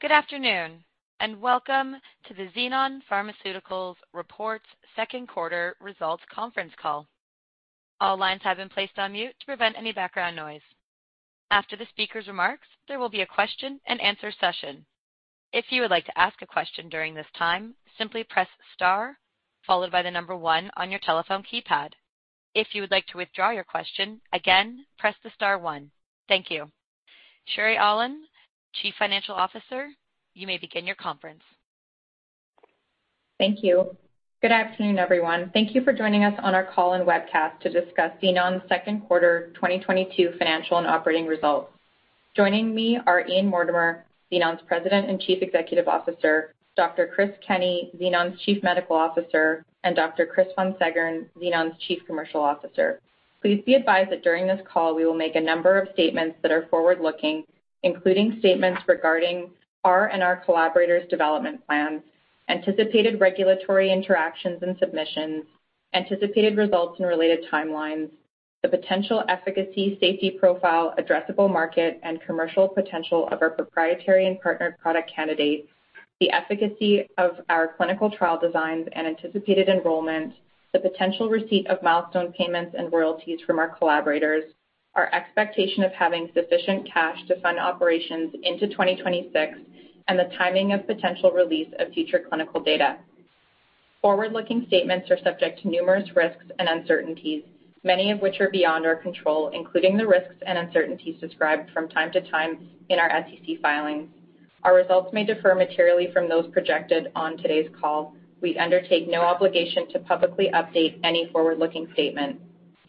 Good afternoon, and welcome to the Xenon Pharmaceuticals Reports Second Quarter Results Conference Call. All lines have been placed on mute to prevent any background noise. After the speaker's remarks, there will be a question-and-answer session. If you would like to ask a question during this time, simply press star followed by the number one on your telephone keypad. If you would like to withdraw your question, again, press the star one. Thank you. Sherry Aulin, Chief Financial Officer, you may begin your conference. Thank you. Good afternoon, everyone. Thank you for joining us on our call and webcast to discuss Xenon's second quarter 2022 financial and operating results. Joining me are Ian Mortimer, Xenon's President and Chief Executive Officer, Dr. Chris Kenney, Xenon's Chief Medical Officer, and Dr. Chris Von Seggern, Xenon's Chief Commercial Officer. Please be advised that during this call, we will make a number of statements that are forward-looking, including statements regarding our and our collaborators' development plans, anticipated regulatory interactions and submissions, anticipated results and related timelines, the potential efficacy, safety profile, addressable market, and commercial potential of our proprietary and partnered product candidates, the efficacy of our clinical trial designs and anticipated enrollment, the potential receipt of milestone payments and royalties from our collaborators, our expectation of having sufficient cash to fund operations into 2026, and the timing of potential release of future clinical data. Forward-looking statements are subject to numerous risks and uncertainties, many of which are beyond our control, including the risks and uncertainties described from time to time in our SEC filings. Our results may differ materially from those projected on today's call. We undertake no obligation to publicly update any forward-looking statement.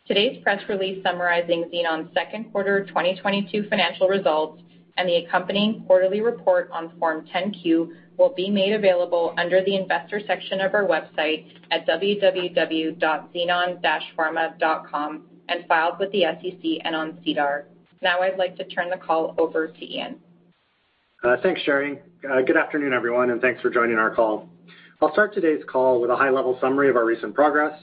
Today's press release summarizing Xenon's second quarter of 2022 financial results and the accompanying quarterly report on Form 10-Q will be made available under the Investors section of our website at www.xenon-pharma.com and filed with the SEC and on SEDAR. Now I'd like to turn the call over to Ian. Thanks, Sherry. Good afternoon, everyone, and thanks for joining our call. I'll start today's call with a high-level summary of our recent progress.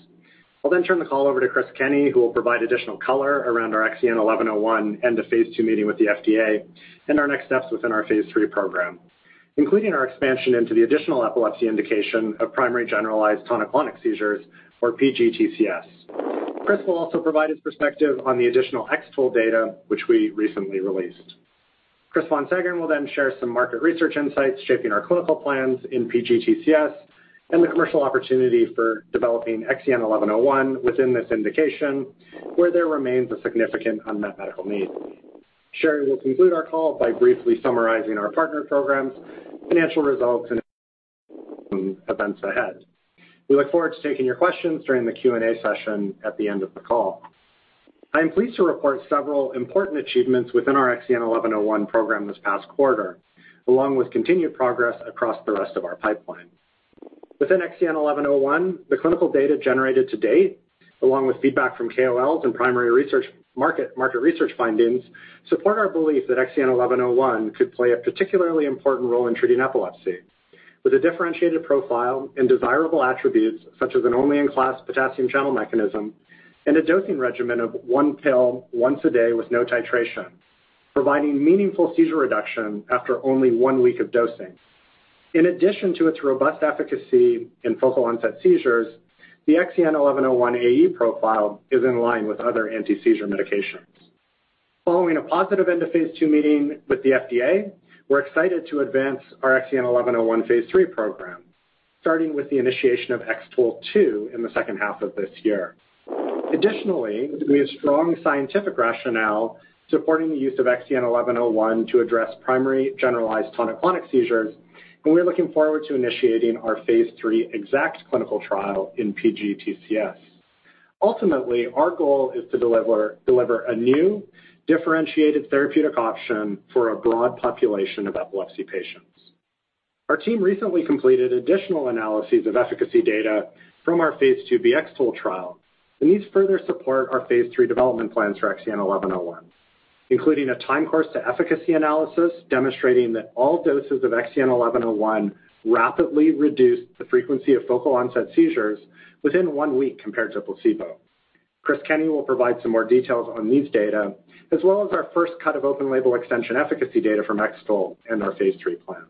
I'll then turn the call over to Chris Kenney, who will provide additional color around our XEN1101 and the phase II meeting with the FDA and our next-steps within our phase III program, including our expansion into the additional epilepsy indication of primary generalized tonic-clonic seizures, or PGTCS. Chris will also provide his perspective on the additional X-TOLE data which we recently released. Chris Von Seggern will then share some market research insights shaping our clinical plans in PGTCS and the commercial opportunity for developing XEN1101 within this indication where there remains a significant unmet medical need. Sherry will conclude our call by briefly summarizing our partner programs, financial results, and events ahead. We look forward to taking your questions during the Q&A session at the end of the call. I am pleased to report several important achievements within our XEN1101 program this past quarter, along with continued progress across the rest of our pipeline. Within XEN1101, the clinical data generated to date, along with feedback from KOLs and primary research, market research findings, support our belief that XEN1101 could play a particularly important role in treating epilepsy with a differentiated profile and desirable attributes, such as an only-in-class potassium channel mechanism and a dosing regimen of one pill once a day with no titration, providing meaningful seizure reduction after only one week of dosing. In addition to its robust efficacy in focal-onset seizures, the XEN1101 AE profile is in line with other anti-seizure medications. Following a positive end of phase II meeting with the FDA, we're excited to advance our XEN1101 phase III program, starting with the initiation of X-TOLE2 in the second half of this year. Additionally, we have strong scientific rationale supporting the use of XEN1101 to address primary generalized tonic-clonic seizures, and we're looking forward to initiating our phase III X-ACKT clinical trial in PGTCS. Ultimately, our goal is to deliver a new differentiated therapeutic option for a broad population of epilepsy patients. Our team recently completed additional analyses of efficacy data from our phase II-B X-TOLE trial. These further support our phase III development plans for XEN1101, including a time course to efficacy analysis demonstrating that all doses of XEN1101 rapidly reduced the frequency of focal-onset seizures within one week compared to placebo. Chris Kenney will provide some more details on these data as well as our first cut of open-label extension efficacy data from X-TOLE and our phase III plan.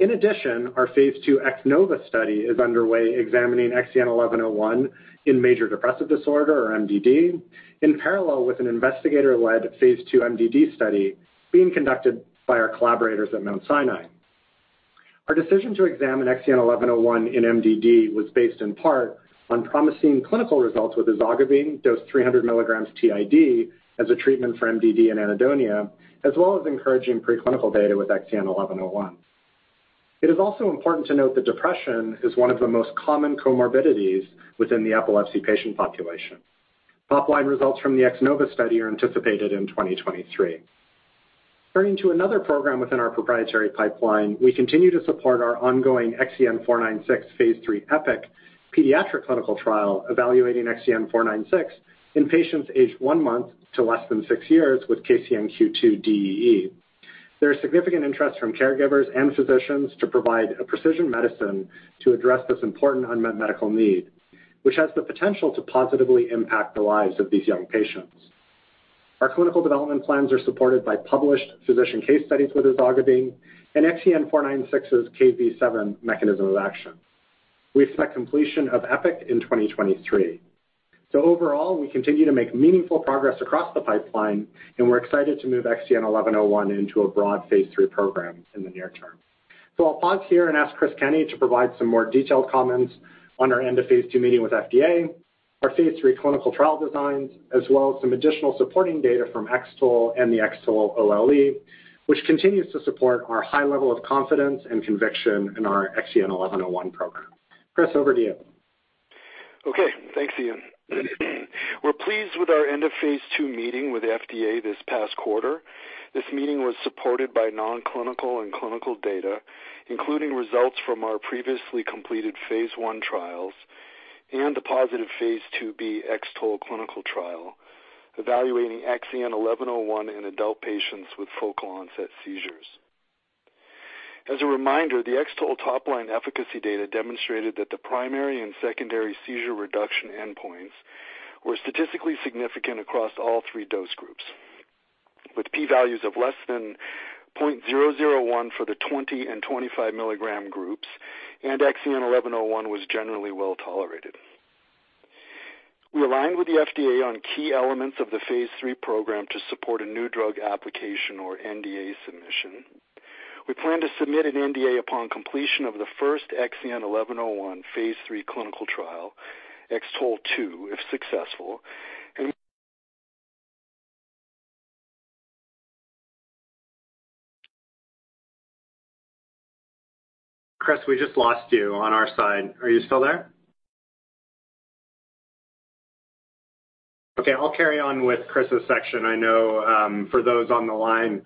In addition, our phase II X-NOVA study is underway examining XEN1101 in major depressive disorder or MDD in parallel with an investigator-led phase II MDD study being conducted by our collaborators at Mount Sinai. Our decision to examine XEN1101 in MDD was based in part on promising clinical results with ezogabine dose 300 mg TID as a treatment for MDD and anhedonia, as well as encouraging preclinical data with XEN1101. It is also important to note that depression is one of the most common comorbidities within the epilepsy patient population. Top-line results from the X-NOVA study are anticipated in 2023. Turning to another program within our proprietary pipeline, we continue to support our ongoing XEN496 phase III EPIK pediatric clinical trial evaluating XEN496 in patients aged one month to less than six years with KCNQ2-DEE. There is significant interest from caregivers and physicians to provide a precision medicine to address this important unmet medical need, which has the potential to positively impact the lives of these young patients. Our clinical development plans are supported by published physician case studies with ezogabine and XEN496's Kv7 mechanism of action. We expect completion of EPIK in 2023. Overall, we continue to make meaningful progress across the pipeline, and we're excited to move XEN1101 into a broad phase III program in the near-term. I'll pause here and ask Chris Kenney to provide some more detailed comments on our end of phase II meeting with FDA, our phase III clinical trial designs, as well as some additional supporting data from X-TOLE and the X-TOLE OLE, which continues to support our high level of confidence and conviction in our XEN1101 program. Chris, over to you. Okay, thanks, Ian. We're pleased with our end of phase II meeting with FDA this past quarter. This meeting was supported by non-clinical and clinical data, including results from our previously completed phase I trials and the positive phase II-B X-TOLE clinical trial evaluating XEN1101 in adult patients with focal onset seizures. As a reminder, the X-TOLE top-line efficacy data demonstrated that the primary and secondary seizure reduction endpoints were statistically significant across all three dose groups, with P values of less than 0.001 for the 20- and 25-mg groups, and XEN1101 was generally well-tolerated. We aligned with the FDA on key elements of the phase III program to support a new drug application or NDA submission. We plan to submit an NDA upon completion of the first XEN1101 phase III clinical trial, X-TOLE2, if successful. Chris, we just lost you on our side. Are you still there? Okay, I'll carry on with Chris' section. I know, for those on the line,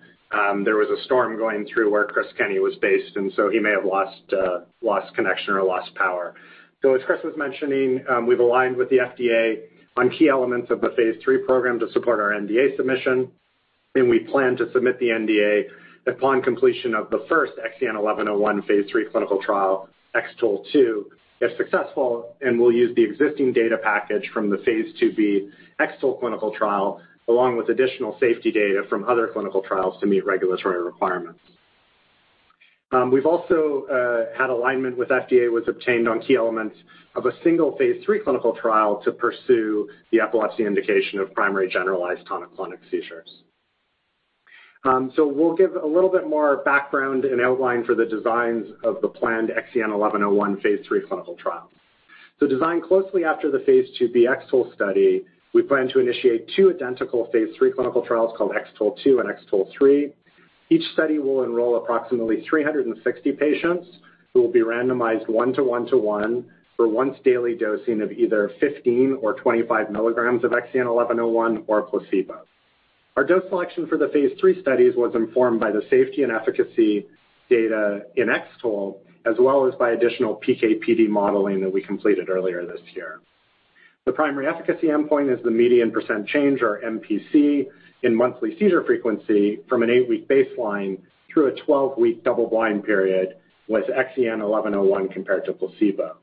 there was a storm going through where Chris Kenney was based, and so he may have lost connection or lost power. As Chris was mentioning, we've aligned with the FDA on key elements of the phase III program to support our NDA submission, and we plan to submit the NDA upon completion of the first XEN1101 phase III clinical trial, X-TOLE2, if successful, and we'll use the existing data package from the phase II-B X-TOLE clinical trial, along with additional safety data from other clinical trials to meet regulatory requirements. We've also obtained alignment with the FDA on key elements of a single phase III clinical trial to pursue the epilepsy indication of primary generalized tonic-clonic seizures. We'll give a little bit more background and outline for the designs of the planned XEN1101 phase III clinical trial. It's designed closely after the phase II-B X-TOLE study, we plan to initiate two identical phase III clinical trials called X-TOLE2 and X-TOLE3. Each study will enroll approximately 360 patients who will be randomized 1:1:1 for once daily dosing of either 15 or 25 mg of XEN1101 or a placebo. Our dose selection for the phase III studies was informed by the safety and efficacy data in X-TOLE, as well as by additional PK/PD modeling that we completed earlier this year. The primary efficacy endpoint is the median percent change or MPC in monthly seizure frequency from an 8-week baseline through a 12-week double-blind period with XEN1101 compared to placebo.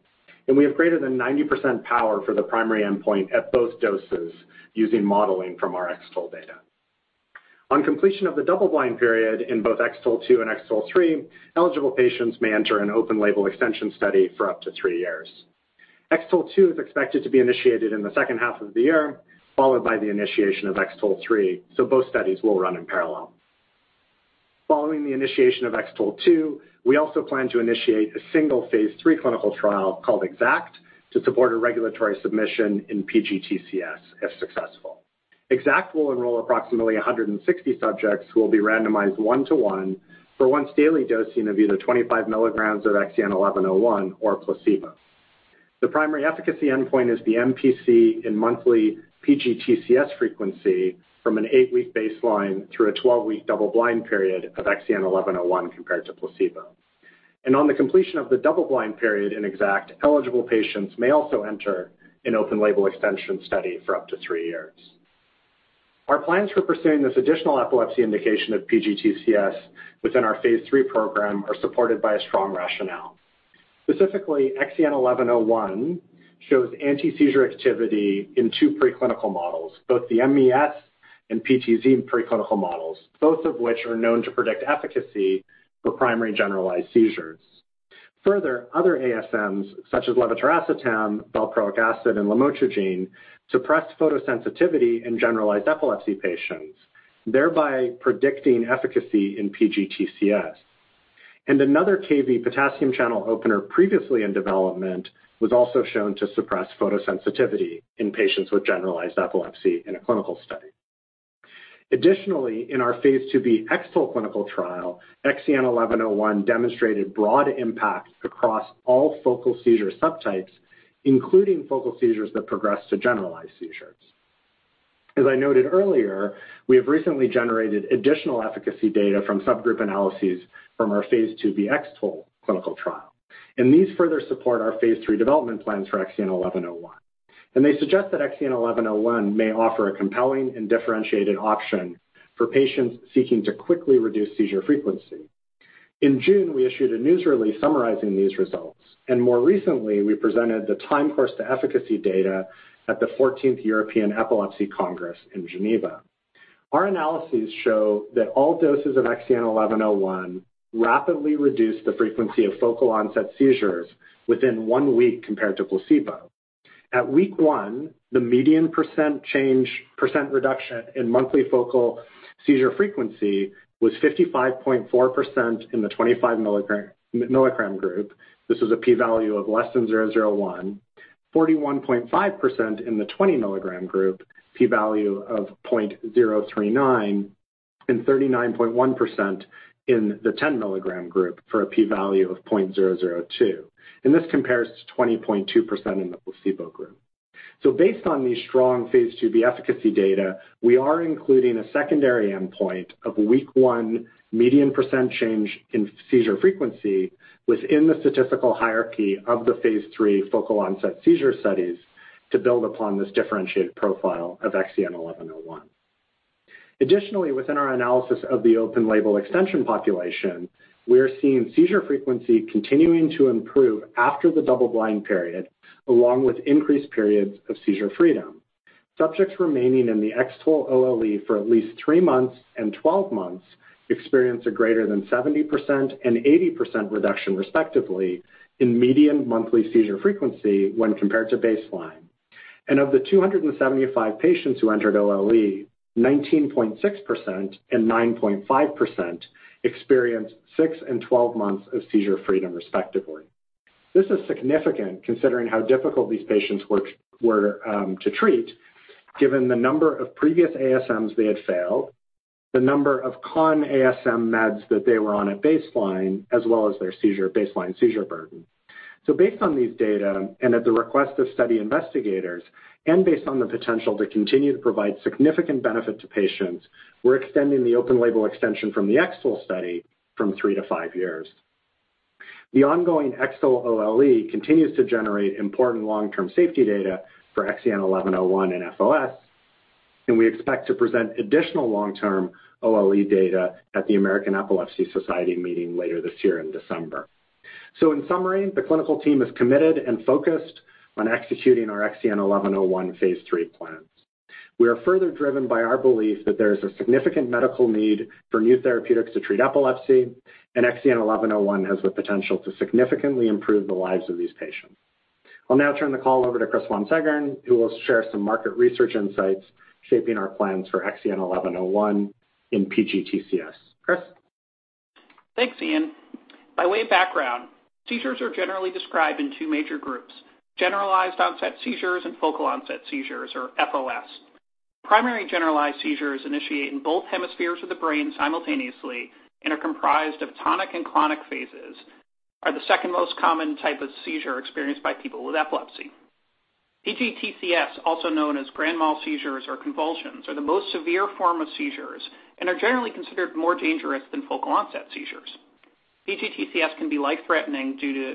We have greater than 90% power for the primary endpoint at both doses using modeling from our X-TOLE data. On completion of the double-blind period in both X-TOLE2 and X-TOLE3, eligible patients may enter an open-label extension study for up to three years. X-TOLE2 is expected to be initiated in the second half of the year, followed by the initiation of X-TOLE3, so both studies will run in parallel. Following the initiation of X-TOLE2, we also plan to initiate a single phase III clinical trial called X-ACKT to support a regulatory submission in PGTCS, if successful. X-ACKT will enroll approximately 160 subjects who will be randomized 1:1 for once daily dosing of either 25 mg of XEN1101 or a placebo. The primary efficacy endpoint is the MPC in monthly PGTCS frequency from an 8-week baseline through a 12-week double-blind period of XEN1101 compared to placebo. On the completion of the double-blind period in X-ACKT, eligible patients may also enter an open-label extension study for up to three years. Our plans for pursuing this additional epilepsy indication of PGTCS within our phase III program are supported by a strong rationale. Specifically, XEN1101 shows anti-seizure activity in two preclinical models, both the MES and PTZ preclinical models, both of which are known to predict efficacy for primary generalized seizures. Further, other ASMs, such as levetiracetam, valproic acid, and lamotrigine, suppressed photosensitivity in generalized epilepsy patients, thereby predicting efficacy in PGTCS. Another Kv potassium channel opener previously in development was also shown to suppress photosensitivity in patients with generalized epilepsy in a clinical study. Additionally, in our phase II-B X-TOLE clinical trial, XEN1101 demonstrated broad impact across all focal seizure subtypes, including focal seizures that progress to generalized seizures. As I noted earlier, we have recently generated additional efficacy data from subgroup analyses from our phase II-B X-TOLE clinical trial. They suggest that XEN1101 may offer a compelling and differentiated option for patients seeking to quickly reduce seizure frequency. In June, we issued a news release summarizing these results, and more recently, we presented the time course to efficacy data at the fourteenth European Epilepsy Congress in Geneva. Our analyses show that all doses of XEN1101 rapidly reduced the frequency of focal onset seizures within one week compared to placebo. At week 1, the median percent change, percent reduction in monthly focal seizure frequency was 55.4% in the 25-mg group. This is a P value of less than 0.001. 41.5% in the 20-mg group, P value of 0.039, and 39.1% in the 10-mg group for a P value of 0.002. This compares to 20.2% in the placebo group. Based on these strong phase II-B efficacy data, we are including a secondary endpoint of week 1 median percent change in seizure frequency within the statistical hierarchy of the phase III focal onset seizure studies to build upon this differentiated profile of XEN1101. Additionally, within our analysis of the open-label extension population, we are seeing seizure frequency continuing to improve after the double-blind period, along with increased periods of seizure freedom. Subjects remaining in the X-TOLE OLE for at least three months and 12 months experience a greater than 70% and 80% reduction, respectively, in median monthly seizure frequency when compared to baseline. Of the 275 patients who entered OLE, 19.6% and 9.5% experienced six and 12 months of seizure freedom, respectively. This is significant considering how difficult these patients were to treat given the number of previous ASMs they had failed, the number of concomitant ASM meds that they were on at baseline, as well as their baseline seizure burden. Based on these data and at the request of study investigators and based on the potential to continue to provide significant benefit to patients, we're extending the open label extension from the X-TOLE study from three to five years. The ongoing X-TOLE OLE continues to generate important long-term safety data for XEN1101 and FOS, and we expect to present additional long-term OLE data at the American Epilepsy Society meeting later this year in December. In summary, the clinical team is committed and focused on executing our XEN1101 phase III plans. We are further driven by our belief that there is a significant medical need for new therapeutics to treat epilepsy, and XEN1101 has the potential to significantly improve the lives of these patients. I'll now turn the call over to Chris Von Seggern, who will share some market research insights shaping our plans for XEN1101 in PGTCS. Chris. Thanks, Ian. By way of background, seizures are generally described in two major groups, generalized onset seizures and focal onset seizures, or FOS. Primary generalized seizures initiate in both hemispheres of the brain simultaneously and are comprised of tonic and clonic phases, are the second most common type of seizure experienced by people with epilepsy. PGTCS, also known as grand mal seizures or convulsions, are the most severe form of seizures and are generally considered more dangerous than focal onset seizures. PGTCS can be life-threatening due to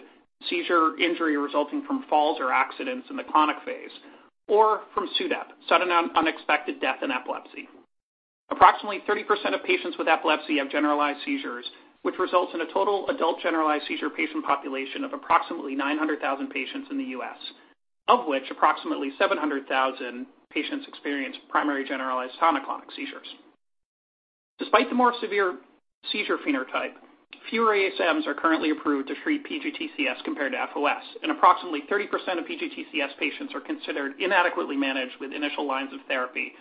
seizure injury resulting from falls or accidents in the clonic phase, or from SUDEP, sudden unexpected death in epilepsy. Approximately 30% of patients with epilepsy have generalized seizures, which results in a total adult generalized seizure patient population of approximately 900,000 patients in the U.S., of which approximately 700,000 patients experience primary generalized tonic-clonic seizures. Despite the more severe seizure phenotype, fewer ASMs are currently approved to treat PGTCS compared to FOS, and approximately 30% of PGTCS patients are considered inadequately managed with initial lines of therapy,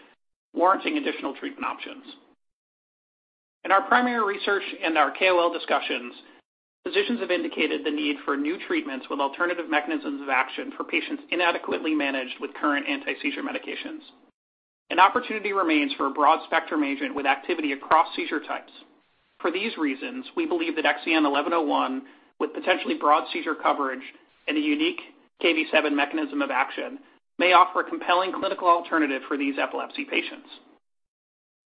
warranting additional treatment options. In our primary research and our KOL discussions, physicians have indicated the need for new treatments with alternative mechanisms of action for patients inadequately managed with current anti-seizure medications. An opportunity remains for a broad-spectrum agent with activity across seizure types. For these reasons, we believe that XEN1101, with potentially broad seizure coverage and a unique Kv7 mechanism of action, may offer a compelling clinical alternative for these epilepsy patients.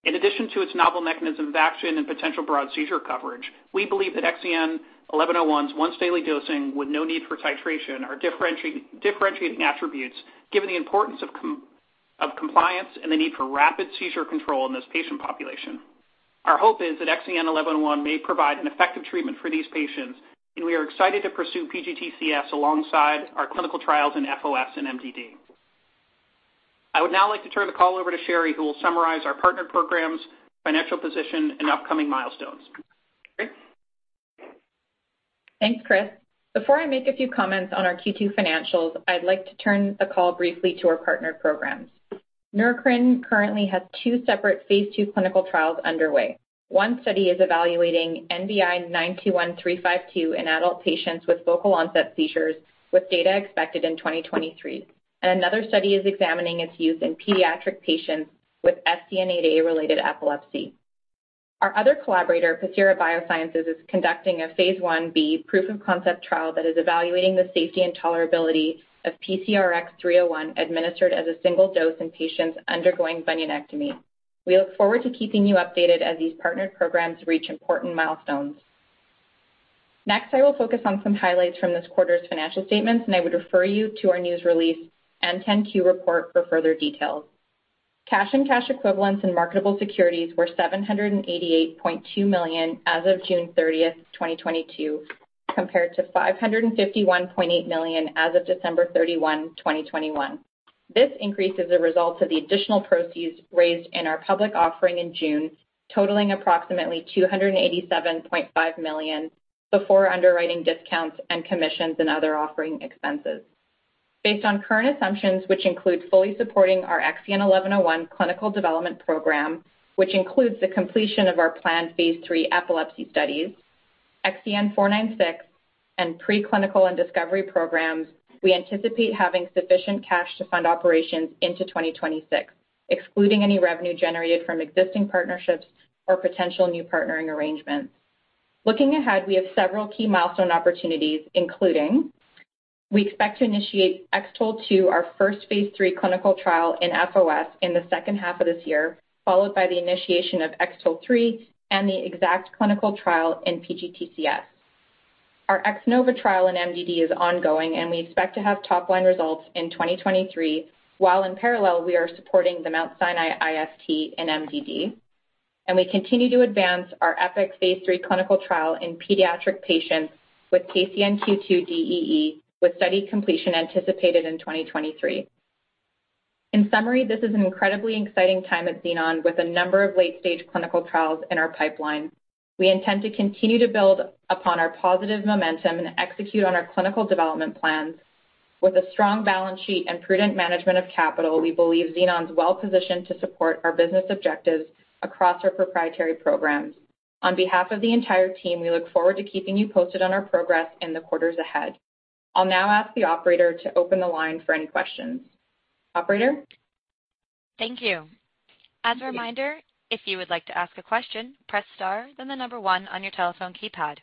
In addition to its novel mechanism of action and potential broad seizure coverage, we believe that XEN1101's once-daily dosing with no need for titration are differentiating attributes given the importance of compliance and the need for rapid seizure control in this patient population. Our hope is that XEN1101 may provide an effective treatment for these patients, and we are excited to pursue PGTCS alongside our clinical trials in FOS and MDD. I would now like to turn the call over to Sherry, who will summarize our partner programs, financial position, and upcoming milestones. Sherry? Thanks, Chris. Before I make a few comments on our Q2 financials, I'd like to turn the call briefly to our partner programs. Neurocrine currently has two separate phase II clinical trials underway. One study is evaluating NBI-921352 in adult patients with focal onset seizures, with data expected in 2023. Another study is examining its use in pediatric patients with SCN8A-related epilepsy. Our other collaborator, Pacira Biosciences, is conducting a phase I-B proof-of-concept trial that is evaluating the safety and tolerability of PCRX301 administered as a single dose in patients undergoing bunionectomy. We look forward to keeping you updated as these partnered programs reach important milestones. Next, I will focus on some highlights from this quarter's financial statements, and I would refer you to our news release and 10-Q report for further details. Cash and cash equivalents and marketable securities were $788.2 million as of June 30th, 2022, compared to $551.8 million as of December 31, 2021. This increase is a result of the additional proceeds raised in our public offering in June, totaling approximately $287.5 million before underwriting discounts and commissions and other offering expenses. Based on current assumptions, which include fully supporting our XEN1101 clinical development program, which includes the completion of our planned phase III epilepsy studies, XEN496 and preclinical and discovery programs, we anticipate having sufficient cash to fund operations into 2026, excluding any revenue generated from existing partnerships or potential new partnering arrangements. Looking ahead, we have several key milestone opportunities, including we expect to initiate X-TOLE2, our first phase III clinical trial in FOS in the second half of this year, followed by the initiation of X-TOLE3 and the X-ACKT clinical trial in PGTCS. Our X-NOVA trial in MDD is ongoing, and we expect to have top line results in 2023, while in parallel, we are supporting the Mount Sinai IST in MDD. We continue to advance our EPIK phase III clinical trial in pediatric patients with KCNQ2-DEE, with study completion anticipated in 2023. In summary, this is an incredibly exciting time at Xenon with a number of late-stage clinical trials in our pipeline. We intend to continue to build upon our positive momentum and execute on our clinical development plans. With a strong balance sheet and prudent management of capital, we believe Xenon is well-positioned to support our business objectives across our proprietary programs. On behalf of the entire team, we look forward to keeping you posted on our progress in the quarters ahead. I'll now ask the operator to open the line for any questions. Operator? Thank you. As a reminder, if you would like to ask a question, press star, then the number one on your telephone keypad.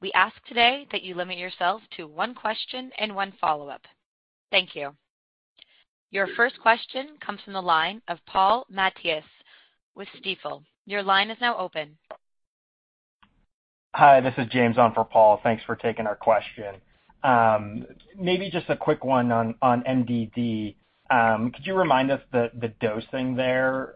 We ask today that you limit yourself to one question and one follow-up. Thank you. Your first question comes from the line of Paul Matteis with Stifel. Your line is now open. Hi, this is James on for Paul. Thanks for taking our question. Maybe just a quick one on MDD. Could you remind us the dosing there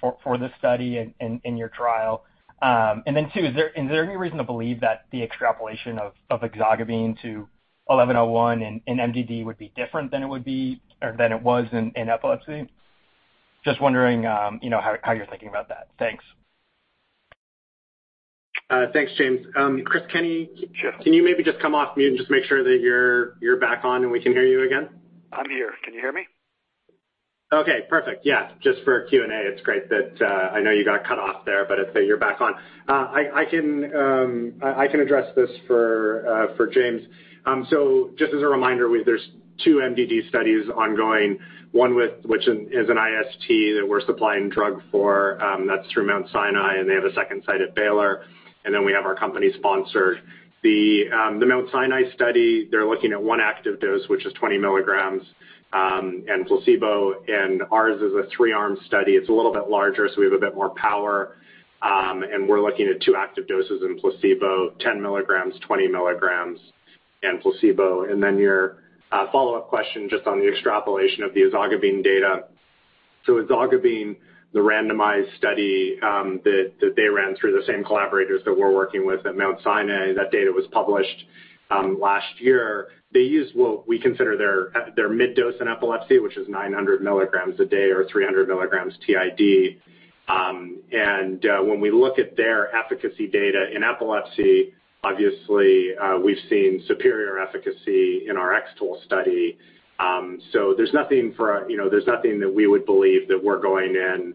for the study in your trial? Then too, is there any reason to believe that the extrapolation of ezogabine to 1101 in MDD would be different than it would be or than it was in epilepsy? Just wondering, you know, how you're thinking about that. Thanks. Thanks, James. Chris Kenney? Sure. Can you maybe just come off-mute and just make sure that you're back on and we can hear you again? I'm here. Can you hear me? Okay, perfect. Yeah, just for Q&A, it's great that I know you got cut-off there, but it's that you're back on. I can address this for James. Just as a reminder, there's two MDD studies ongoing, one which is an IST that we're supplying drug for, that's through Mount Sinai, and they have a second site at Baylor. Then we have our company sponsored. The Mount Sinai study, they're looking at one active dose, which is 20 mg, and placebo. Ours is a three-arm study. It's a little bit larger, so we have a bit more power. We're looking at two active doses in placebo, 10 mg, 20 mg in placebo. Then your follow-up question just on the extrapolation of the ezogabine data. Ezogabine, the randomized study, that they ran through the same collaborators that we're working with at Mount Sinai, that data was published last year. They used what we consider their mid dose in epilepsy, which is 900 mg a day or 300 mg TID. When we look at their efficacy data in epilepsy, obviously, we've seen superior efficacy in our X-TOLE study. There's nothing, you know, that we would believe that we're going in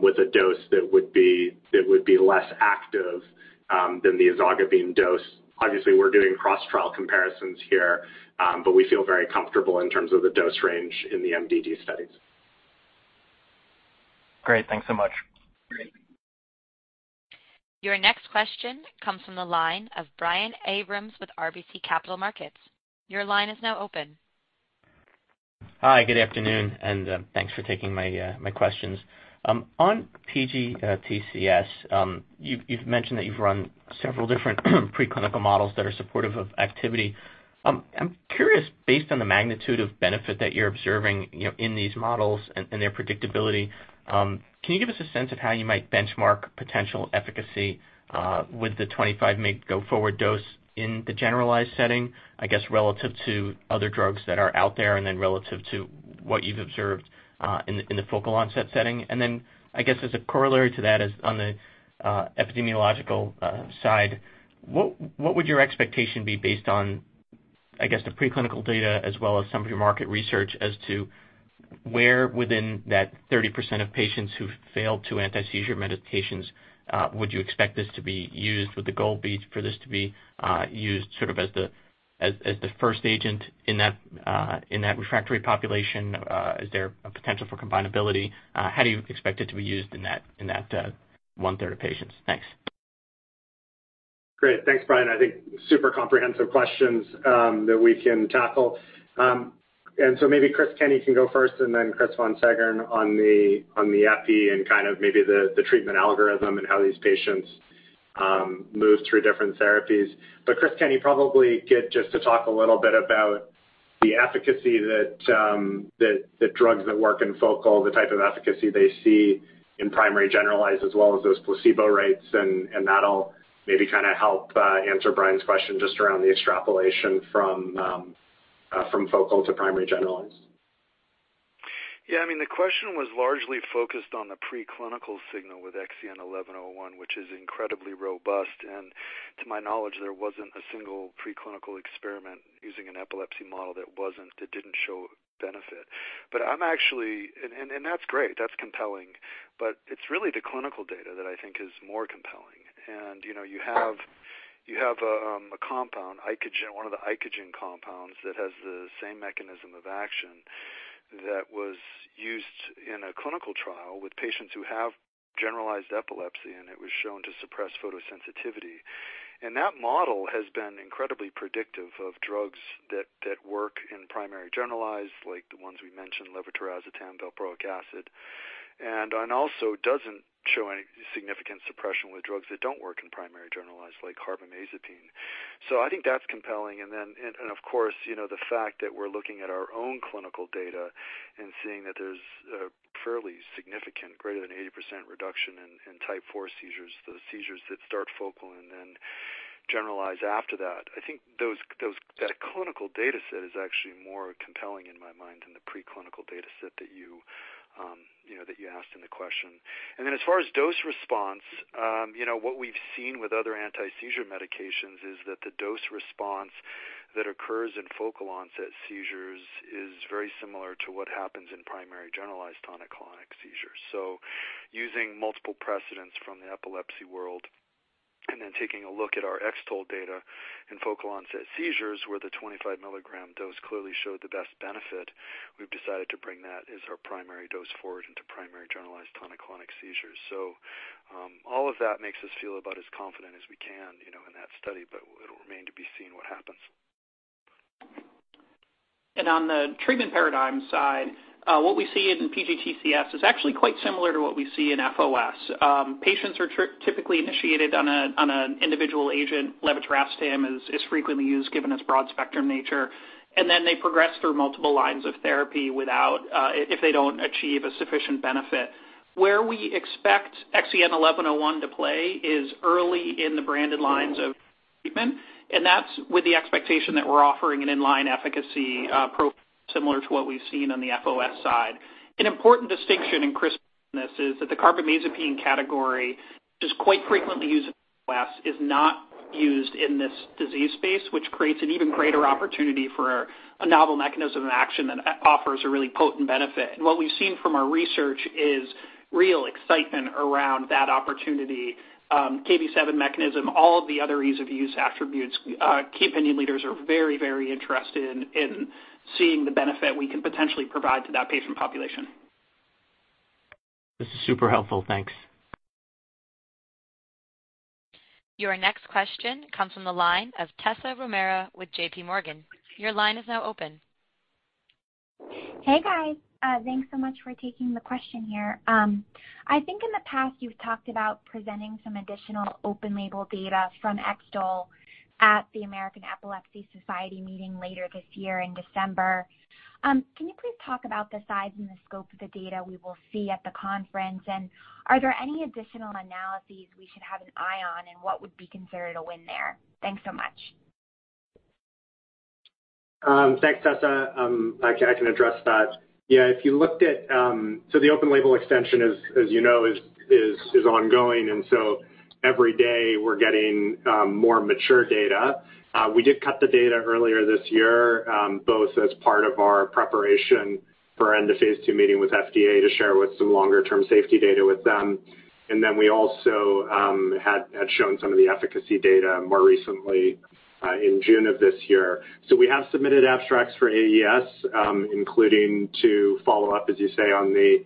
with a dose that would be less active than the ezogabine dose. Obviously, we're doing cross-trial comparisons here, but we feel very comfortable in terms of the dose range in the MDD studies. Great. Thanks so much. Great. Your next question comes from the line of Brian Abrahams with RBC Capital Markets. Your line is now open. Hi, good afternoon, and thanks for taking my questions. On PGTCS, you've mentioned that you've run several different preclinical models that are supportive of activity. I'm curious, based on the magnitude of benefit that you're observing, you know, in these models and their predictability, can you give us a sense of how you might benchmark potential efficacy with the 25 mg go forward dose in the generalized setting, I guess, relative to other drugs that are out there and then relative to what you've observed in the focal onset setting? I guess as a corollary to that is on the epidemiological side, what would your expectation be based on, I guess the preclinical data as well as some of your market research as to where within that 30% of patients who've failed two antiseizure medications, would you expect this to be used? Would the goal be for this to be used sort of as the first agent in that refractory population? Is there a potential for combinability? How do you expect it to be used in that one-third of patients? Thanks. Great. Thanks, Brian. I think super comprehensive questions that we can tackle. Maybe Chris Kenney can go first and then Chris Von Seggern on the epi and kind of maybe the treatment algorithm and how these patients move through different therapies. Chris, can you probably get just to talk a little bit about the efficacy that drugs that work in focal, the type of efficacy they see in primary generalized as well as those placebo rates, and that'll maybe kind of help answer Brian's question just around the extrapolation from focal to primary generalized. Yeah. I mean, the question was largely focused on the preclinical signal with XEN1101, which is incredibly robust. To my knowledge, there wasn't a single preclinical experiment using an epilepsy model that wasn't, that didn't show benefit. That's great. That's compelling. It's really the clinical data that I think is more compelling. You know, you have a compound, Icagen, one of the Icagen compounds that has the same mechanism of action that was used in a clinical trial with patients who have generalized epilepsy, and it was shown to suppress photosensitivity. That model has been incredibly predictive of drugs that work in primary generalized, like the ones we mentioned, levetiracetam, valproic acid. It also doesn't show any significant suppression with drugs that don't work in primary generalized like carbamazepine. I think that's compelling. Of course, you know, the fact that we're looking at our own clinical data and seeing that there's a fairly significant greater than 80% reduction in type four seizures, the seizures that start focal and then generalize after that. I think that clinical data set is actually more compelling in my mind than the preclinical data set that you know, that you asked in the question. As far as dose response, you know, what we've seen with other anti-seizure medications is that the dose response that occurs in focal onset seizures is very similar to what happens in primary generalized tonic-clonic seizures. Using multiple precedents from the epilepsy world, and then taking a look at our X-TOLE data in focal onset seizures, where the 25 mg dose clearly showed the best benefit, we've decided to bring that as our primary dose forward into primary generalized tonic-clonic seizures. All of that makes us feel about as confident as we can, you know, in that study, but it'll remain to be seen what happens. On the treatment paradigm side, what we see in PGTCS is actually quite similar to what we see in FOS. Patients are typically initiated on an individual agent. Levetiracetam is frequently used given its broad spectrum nature. Then they progress through multiple lines of therapy without, if they don't achieve a sufficient benefit. Where we expect XEN1101 to play is early in the branded lines of treatment, and that's with the expectation that we're offering an in-line efficacy profile similar to what we've seen on the FOS side. An important distinction, and Chris mentioned this, is that the carbamazepine category, which is quite frequently used in FOS, is not used in this disease space, which creates an even greater opportunity for a novel mechanism of action that offers a really potent benefit. What we've seen from our research is real excitement around that opportunity. Kv7 mechanism, all of the other ease-of-use attributes, key opinion leaders are very, very interested in seeing the benefit we can potentially provide to that patient population. This is super helpful. Thanks. Your next question comes from the line of Tessa Romero with J.P. Morgan. Your line is now open. Hey, guys. Thanks so much for taking the question here. I think in the past, you've talked about presenting some additional open-label data from X-TOLE at the American Epilepsy Society meeting later this year in December. Can you please talk about the size and the scope of the data we will see at the conference? Are there any additional analyses we should have an eye on, and what would be considered a win there? Thanks so much. Thanks, Tessa. I can address that. Yeah, if you looked at the open label extension, as you know, is ongoing, and every day we're getting more mature data. We did cut the data earlier this year, both as part of our preparation for end of phase II meeting with FDA to share with some longer term safety data with them. We also had shown some of the efficacy data more recently, in June of this year. We have submitted abstracts for AES, including to follow up, as you say, on the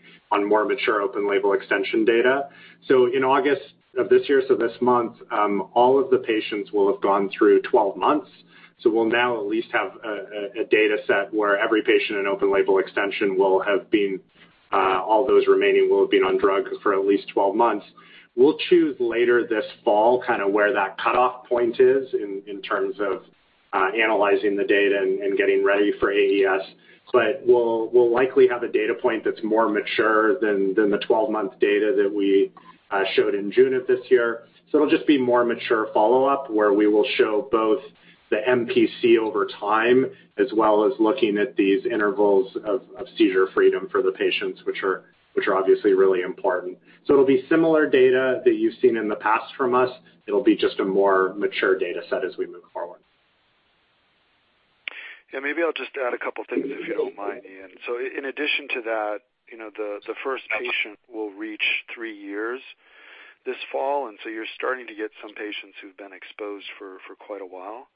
more mature open label extension data. In August of this year, this month, all of the patients will have gone through 12 months. We'll now at least have a data set where every patient in open label extension will have been, all those remaining will have been on drug for at least 12 months. We'll choose later this fall kind of where that cutoff point is in terms of analyzing the data and getting ready for AES. We'll likely have a data point that's more mature than the 12-month data that we showed in June of this year. It'll be more mature follow-up where we will show both the MPC over time, as well as looking at these intervals of seizure freedom for the patients, which are obviously really important. It'll be similar data that you've seen in the past from us. It'll be just a more mature data set as we move forward. Yeah, maybe I'll just add a couple of things, if you don't mind, Ian. In addition to that, you know, the first patient will reach three years this fall, and so you're starting to get some patients who've been exposed for quite a while.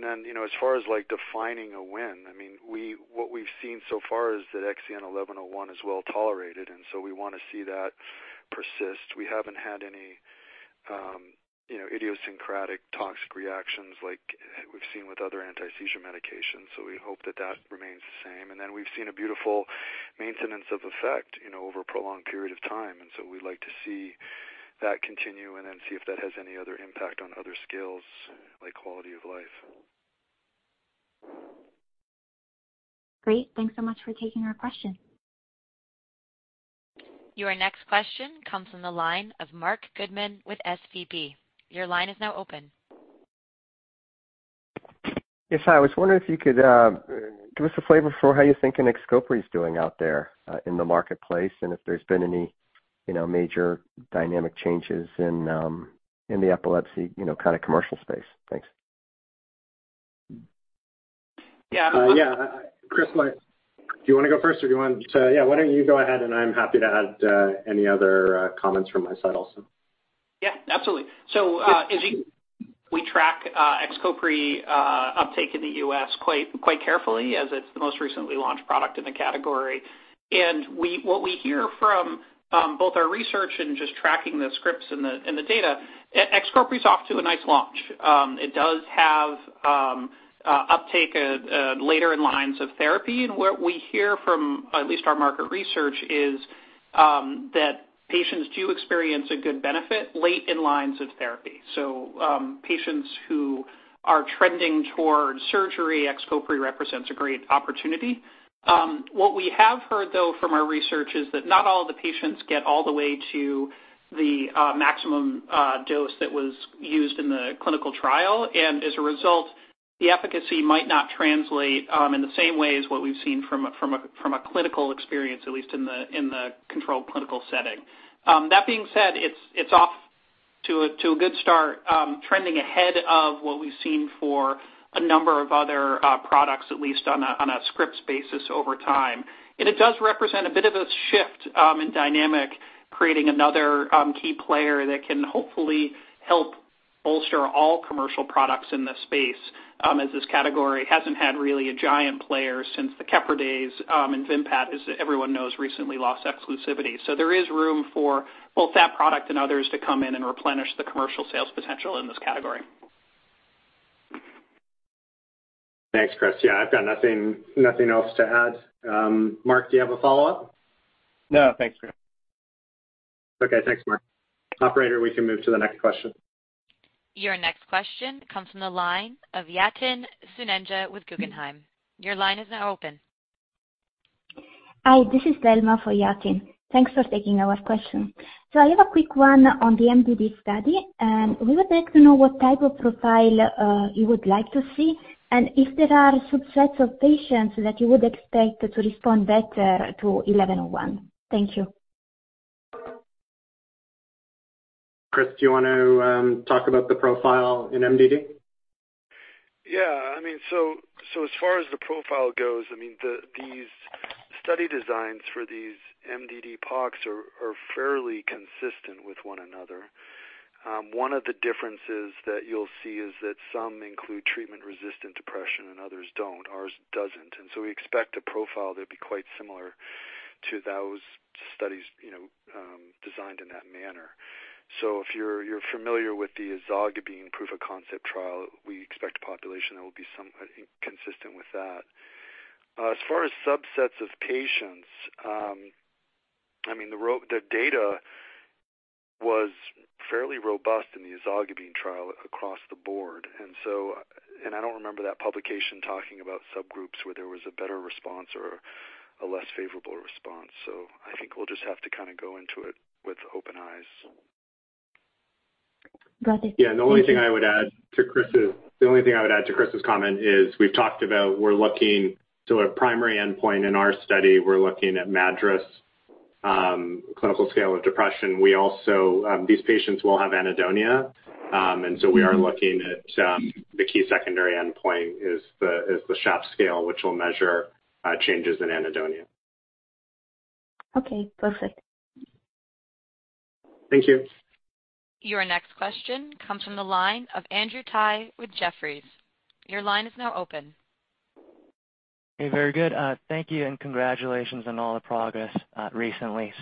Then, you know, as far as like defining a win, I mean, what we've seen so far is that XEN1101 is well tolerated, and so we wanna see that persist. We haven't had any, you know, idiosyncratic toxic reactions like we've seen with other anti-seizure medications, so we hope that that remains the same. Then we've seen a beautiful maintenance of effect, you know, over a prolonged period of time. We'd like to see that continue and then see if that has any other impact on other scales like quality of life. Great. Thanks so much for taking our question. Your next question comes from the line of Marc Goodman with SVB. Your line is now open. Yes, hi. I was wondering if you could give us a flavor for how you think XCOPRI is doing out there in the marketplace and if there's been any, you know, major dynamic changes in the epilepsy, you know, kind of commercial space. Thanks. Yeah. Yeah. Chris, do you wanna go first or do you want to? Yeah, why don't you go ahead and I'm happy to add any other comments from my side also. Yeah, absolutely. We track XCOPRI uptake in the U.S. quite carefully as it's the most recently launched product in the category. What we hear from both our research and just tracking the scripts and the data, XCOPRI is off to a nice launch. It does have uptake at later lines of therapy. What we hear from at least our market research is that patients do experience a good benefit late lines of therapy. Patients who are trending toward surgery, XCOPRI represents a great opportunity. What we have heard though from our research is that not all of the patients get all the way to the maximum dose that was used in the clinical trial, and as a result, the efficacy might not translate in the same way as what we've seen from a clinical experience, at least in the controlled clinical setting. That being said, it's off to a good start, trending ahead of what we've seen for a number of other products, at least on a scripts basis over time. It does represent a bit of a shift in dynamic, creating another key player that can hopefully help bolster all commercial products in this space, as this category hasn't had really a giant player since the Keppra days, and Vimpat, as everyone knows, recently lost exclusivity. There is room for both that product and others to come in and replenish the commercial sales potential in this category. Thanks, Chris. Yeah, I've got nothing else to add. Marc, do you have a follow-up? No, thanks. Okay, thanks, Mark. Operator, we can move to the next question. Your next question comes from the line of Yatin Suneja with Guggenheim. Your line is now open. Hi, this is Thelma for Yatin. Thanks for taking our question. I have a quick one on the MDD study, and we would like to know what type of profile you would like to see, and if there are subsets of patients that you would expect to respond better to one one oh one. Thank you. Chris, do you want to talk about the profile in MDD? Yeah. I mean, so as far as the profile goes, I mean, these study designs for these MDD PoCs are fairly consistent with one another. One of the differences that you'll see is that some include treatment-resistant depression and others don't. Ours doesn't. We expect a profile that'd be quite similar to those studies, you know, designed in that manner. If you're familiar with the ezogabine proof of concept trial, we expect a population that will be somewhat consistent with that. As far as subsets of patients, I mean, the data was fairly robust in the ezogabine trial across the board. I don't remember that publication talking about subgroups where there was a better response or a less favorable response. I think we'll just have to kinda go into it with open eyes. Got it. Thank you. Yeah. The only thing I would add to Chris's comment is we've talked about we're looking to a primary endpoint in our study. We're looking at MADRS, clinical scale of depression. We also, these patients will have anhedonia. We are looking at the key secondary endpoint is the SHAPS scale, which will measure changes in anhedonia. Okay, perfect. Thank you. Your next question comes from the line of Andrew Tsai with Jefferies. Your line is now open. Hey, very good. Thank you and congratulations on all the progress recently.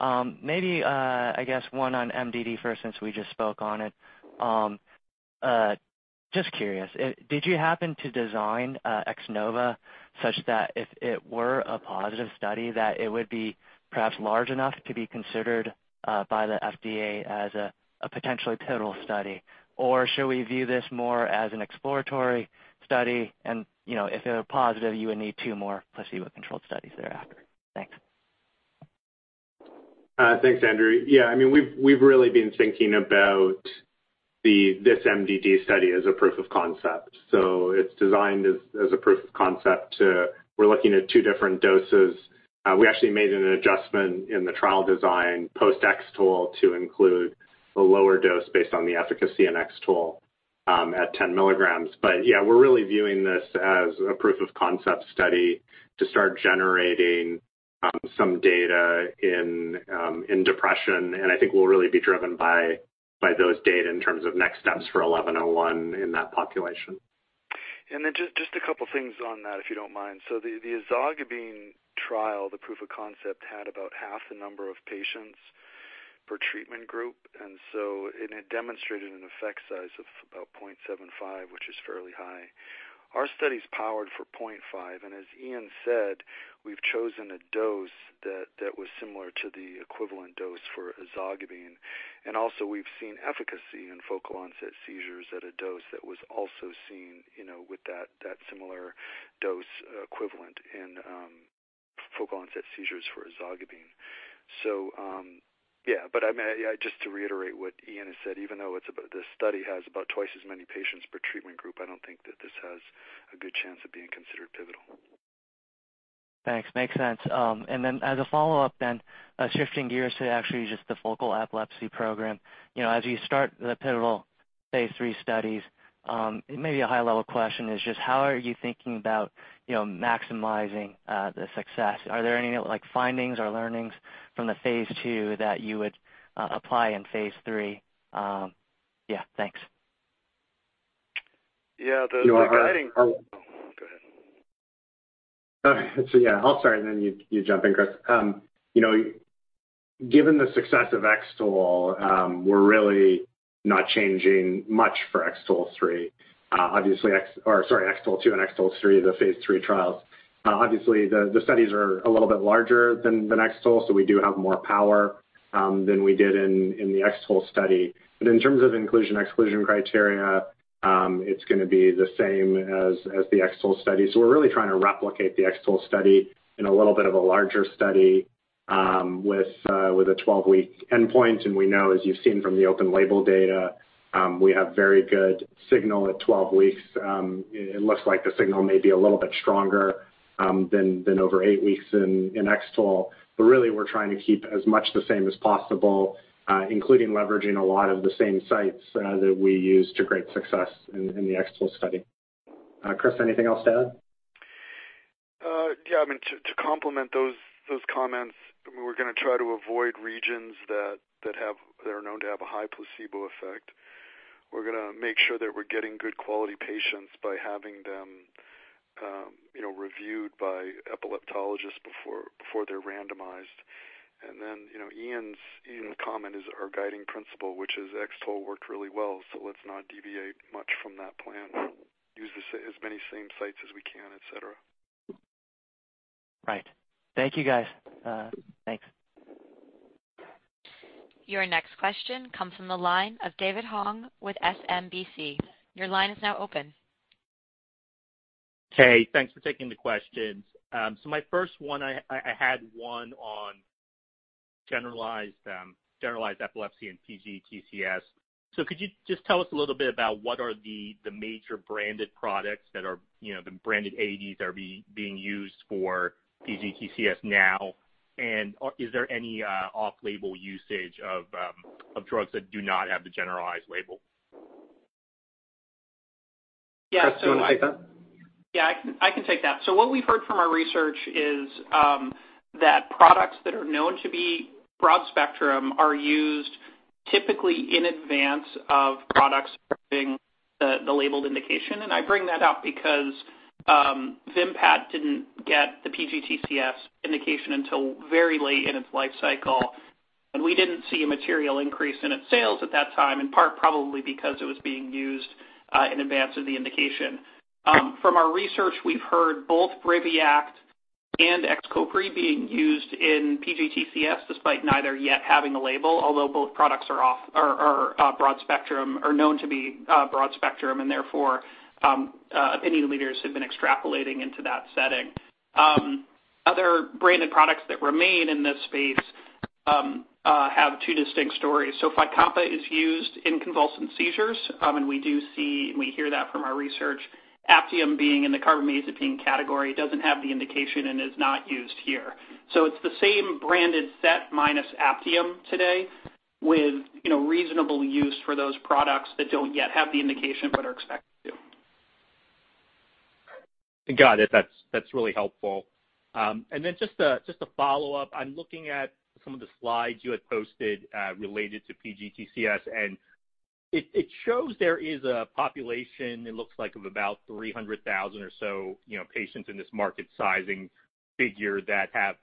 Maybe I guess one on MDD first since we just spoke on it. Just curious, did you happen to design X-NOVA such that if it were a positive study that it would be perhaps large enough to be considered by the FDA as a potentially pivotal study? Or should we view this more as an exploratory study? You know, if it were positive, you would need two more placebo-controlled studies thereafter. Thanks. Thanks, Andrew. Yeah, I mean, we've really been thinking about this MDD study as a proof of concept. It's designed as a proof of concept. We're looking at two different doses. We actually made an adjustment in the trial design post X-TOLE to include a lower dose based on the efficacy in X-TOLE at 10 mg. But yeah, we're really viewing this as a proof-of-concept study to start generating some data in depression. I think we'll really be driven by those data in terms of next-steps for XEN1101 in that population. Just a couple things on that, if you don't mind. The ezogabine trial, the proof-of-concept, had about half the number of patients per treatment group, and so it had demonstrated an effect size of about 0.75, which is fairly high. Our study is powered for 0.5, and as Ian said, we've chosen a dose that was similar to the equivalent dose for ezogabine. Also we've seen efficacy in focal onset seizures at a dose that was also seen, you know, with that similar dose equivalent in focal onset seizures for ezogabine. I mean, just to reiterate what Ian has said, even though this study has about twice as many patients per treatment group, I don't think that this has a good chance of being considered pivotal. Thanks. Makes sense. As a follow-up then, shifting gears to actually just the focal epilepsy program. You know, as you start the pivotal phase III studies, it may be a high-level question is just how are you thinking about, you know, maximizing the success? Are there any, like, findings or learnings from the phase II that you would apply in phase III? Yeah, thanks. Yeah. The guiding- You want to- Go ahead. All right. Yeah, I'll start, and then you jump in, Chris. You know, given the success of X-TOLE, we're really not changing much for X-TOLE3. Obviously X-TOLE2 and X-TOLE3, the phase III trials. Obviously the studies are a little bit larger than X-TOLE, so we do have more power than we did in the X-TOLE study. In terms of inclusion/exclusion criteria, it's gonna be the same as the X-TOLE study. We're really trying to replicate the X-TOLE study in a little bit of a larger study with a 12-week endpoint. We know, as you've seen from the open label data, we have very good signal at 12 weeks. It looks like the signal may be a little bit stronger than over eight weeks in X-TOLE. Really, we're trying to keep as much the same as possible, including leveraging a lot of the same sites that we used to great success in the X-TOLE study. Chris, anything else to add? Yeah. I mean, to complement those comments, I mean, we're gonna try to avoid regions that are known to have a high placebo effect. We're gonna make sure that we're getting good quality patients by having them, you know, reviewed by epileptologists before they're randomized. Then, you know, Ian's comment is our guiding principle, which is X-TOLE worked really well, so let's not deviate much from that plan. Use as many same sites as we can, et cetera. Right. Thank you, guys. Thanks. Your next question comes from the line of David Hoang with SMBC. Your line is now open. Hey, thanks for taking the questions. My first one, I had one on generalized epilepsy and PGTCS. Could you just tell us a little bit about what are the major branded products that are, you know, the branded ADs that are being used for PGTCS now? Is there any off-label usage of drugs that do not have the generalized label? Chris, do you wanna take that? Yeah, I can take that. What we've heard from our research is that products that are known to be broad spectrum are used typically in advance of products having the labeled indication. I bring that up because VIMPAT didn't get the PGTCS indication until very late in its life cycle, and we didn't see a material increase in its sales at that time, in part probably because it was being used in advance of the indication. From our research, we've heard both BRIVIACT and XCOPRI being used in PGTCS, despite neither yet having a label, although both products are broad spectrum, are known to be broad spectrum and therefore opinion leaders have been extrapolating into that setting. Other branded products that remain in this space have two distinct stories. FYCOMPA is used in convulsive seizures, and we do see and we hear that from our research. Aptiom being in the carbamazepine category doesn't have the indication and is not used here. It's the same branded set minus Aptiom today with, you know, reasonable use for those products that don't yet have the indication but are expected to. Got it. That's really helpful. Just a follow-up. I'm looking at some of the slides you had posted related to PGTCS, and it shows there is a population, it looks like, of about 300,000 or so, you know, patients in this market sizing figure that have,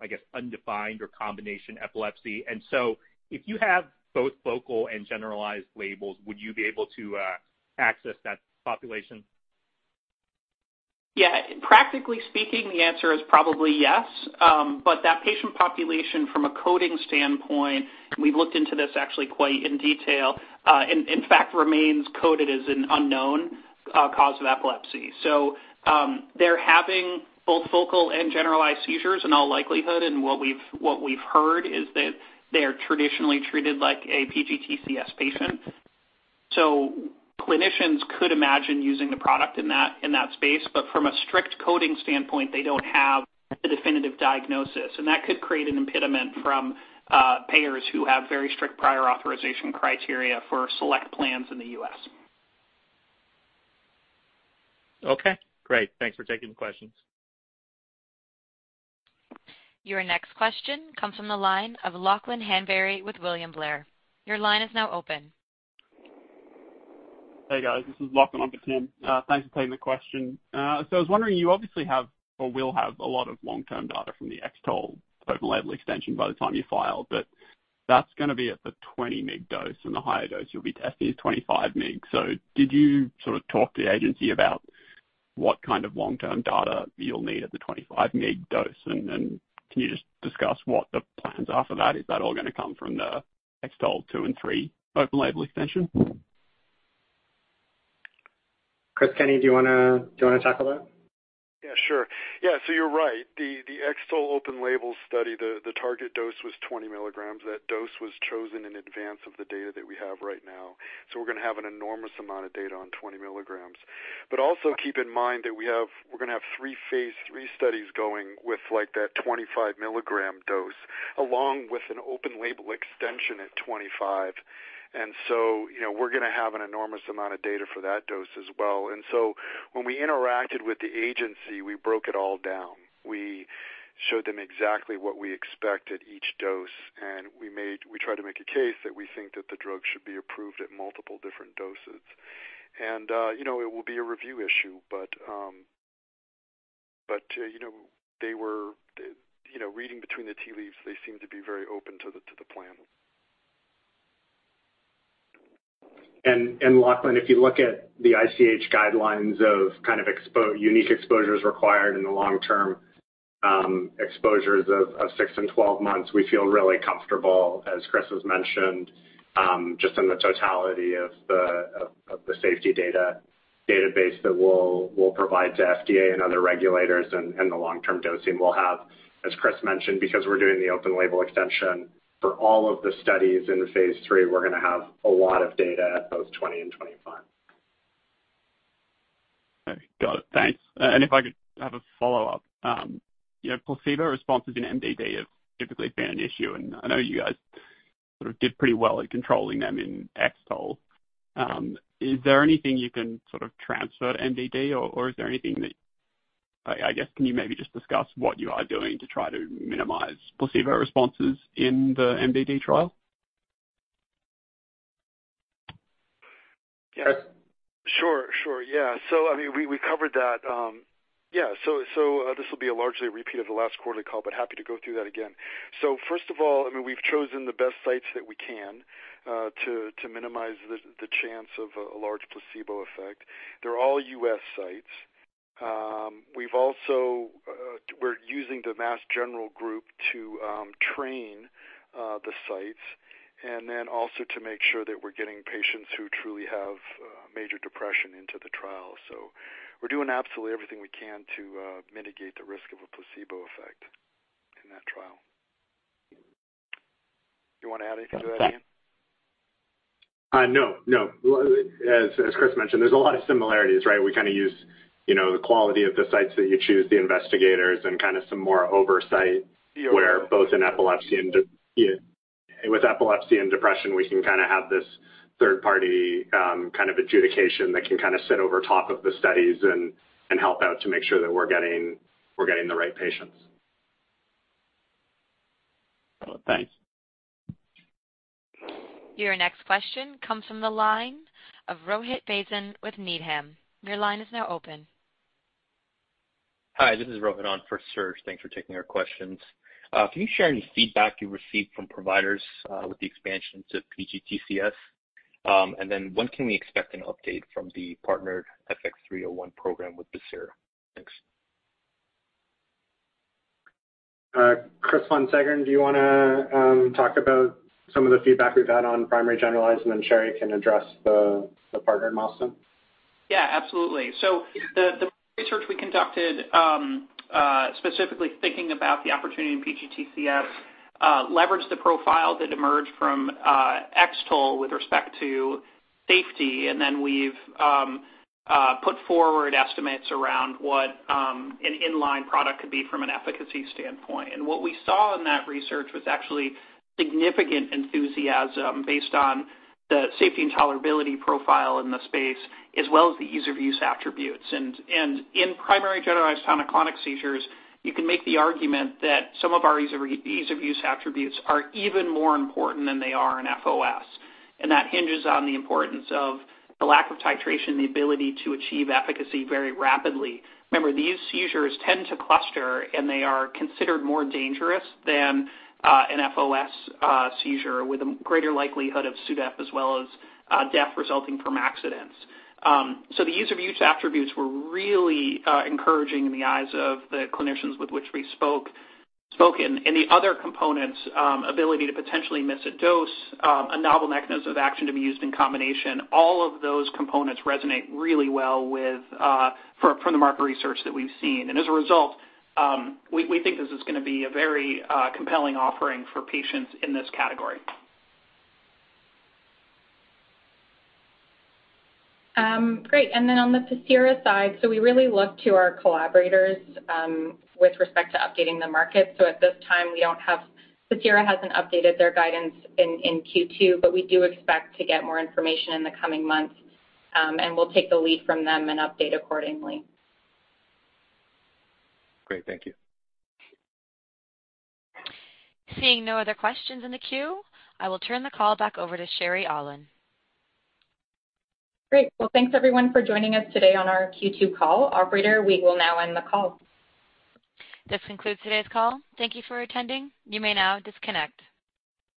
I guess, undefined or combination epilepsy. If you have both focal and generalized labels, would you be able to access that population? Yeah. Practically speaking, the answer is probably yes. That patient population from a coding standpoint, we've looked into this actually quite in detail, and in fact remains coded as an unknown cause of epilepsy. They're having both focal and generalized seizures in all likelihood, and what we've heard is that they are traditionally treated like a PGTCS patient. Clinicians could imagine using the product in that space. From a strict coding standpoint, they don't have the definitive diagnosis. That could create an impediment from payers who have very strict prior authorization criteria for select plans in the U.S. Okay, great. Thanks for taking the questions. Your next question comes from the line of Lachlan Hanbury with William Blair. Your line is now open. Hey, guys. This is Lachlan. I'm for Tim. Thanks for taking the question. I was wondering, you obviously have or will have a lot of long-term data from the X-TOLE open-label extension by the time you file, but that's gonna be at the 20 mg dose, and the higher dose you'll be testing is 25 mg. Did you sort of talk to the agency about what kind of long-term data you'll need at the 25 mg dose? And then can you just discuss what the plans are for that? Is that all gonna come from the X-TOLE2 and X-TOLE3 open-label extension? Chris Kenney, do you wanna talk about it? Yeah, sure. Yeah, you're right. The X-TOLE open-label study, the target dose was 20 mg. That dose was chosen in advance of the data that we have right now. We're gonna have an enormous amount of data on 20 mg. But also keep in mind that we're gonna have three phase III studies going with like that 25 mg dose, along with an open-label extension at 25 mg. You know, we're gonna have an enormous amount of data for that dose as well. When we interacted with the agency, we broke it all down. We showed them exactly what we expect at each dose, and we tried to make a case that we think that the drug should be approved at multiple different doses. You know, it will be a review issue, but you know, they were you know, reading between the tea leaves. They seem to be very open to the plan. Lachlan, if you look at the ICH guidelines of kind of unique exposures required in the long-term, exposures of six and 12 months, we feel really comfortable, as Chris has mentioned, just in the totality of the safety database that we'll provide to FDA and other regulators and the long-term dosing we'll have. As Chris mentioned, because we're doing the open label extension for all of the studies in phase III, we're gonna have a lot of data at both 20 and 25. Okay. Got it. Thanks. If I could have a follow-up. You know, placebo responses in MDD have typically been an issue, and I know you guys sort of did pretty well at controlling them in X-TOLE. Is there anything you can sort of transfer to MDD or, I guess, can you maybe just discuss what you are doing to try to minimize placebo responses in the MDD trial? Yeah. Sure. Yeah. I mean, we covered that. This will be largely a repeat of the last quarterly call, but happy to go through that again. First of all, I mean, we've chosen the best sites that we can to minimize the chance of a large placebo effect. They're all U.S. sites. We're using the Massachusetts General group to train the sites and then also to make sure that we're getting patients who truly have major depression into the trial. We're doing absolutely everything we can to mitigate the risk of a placebo effect in that trial. Do you wanna add anything to that, Ian? No. As Chris mentioned, there's a lot of similarities, right? We kinda use, you know, the quality of the sites that you choose, the investigators, and kind of some more oversight. With epilepsy and depression, we can kind of have this third party, kind of adjudication that can kind of sit over top of the studies and help out to make sure that we're getting the right patients. Thanks. Your next question comes from the line of Rohit Bhasin with Needham. Your line is now open. Hi, this is Rohit on for Serge. Thanks for taking our questions. Can you share any feedback you've received from providers with the expansion to PGTCS? When can we expect an update from the partnered FX301 program with Pacira? Thanks. Chris Von Seggern, do you wanna talk about some of the feedback we've had on primary generalized, and then Sherry can address the partner in Boston? Yeah, absolutely. The research we conducted, specifically thinking about the opportunity in PGTCS, leveraged the profile that emerged from X-TOLE with respect to safety. Then we've put forward estimates around what an inline product could be from an efficacy standpoint. What we saw in that research was actually significant enthusiasm based on the safety and tolerability profile in the space, as well as the ease of use attributes. In primary generalized tonic-clonic seizures, you can make the argument that some of our ease of use attributes are even more important than they are in FOS, and that hinges on the importance of the lack of titration, the ability to achieve efficacy very rapidly. Remember, these seizures tend to cluster, and they are considered more dangerous than an FOS seizure with a greater likelihood of SUDEP as well as death resulting from accidents. The ease of use attributes were really encouraging in the eyes of the clinicians with which we spoke. The other components, ability to potentially miss a dose, a novel mechanism of action to be used in combination, all of those components resonate really well from the market research that we've seen. As a result, we think this is gonna be a very compelling offering for patients in this category. Great. On the Pacira side, so we really look to our collaborators with respect to updating the market. So at this time, Pacira hasn't updated their guidance in Q2, but we do expect to get more information in the coming months. We'll take the lead from them and update accordingly. Great. Thank you. Seeing no other questions in the queue, I will turn the call back over to Sherry Aulin. Great. Well, thanks everyone for joining us today on our Q2 call. Operator, we will now end the call. This concludes today's call. Thank you for attending. You may now disconnect.